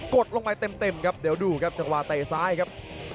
ดลงไปเต็มครับเดี๋ยวดูครับจังหวะเตะซ้ายครับ